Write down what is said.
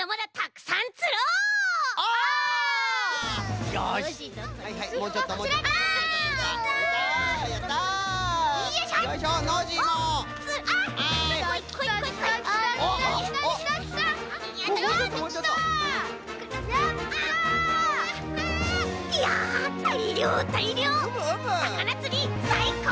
さかなつりさいこう！